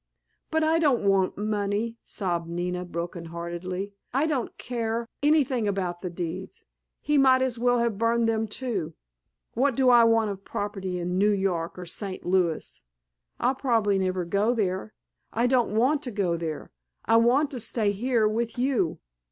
"But I don't want money," sobbed Nina broken heartedly. "I don't care anything about the deeds, he might as well have burned them, too. What do I want of property in New York or St. Louis? I'll probably never go there. I don't want to go there. I want to stay here with you.